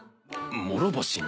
諸星に？